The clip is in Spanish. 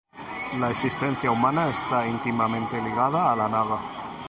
La existencia humana está íntimamente ligada a la nada.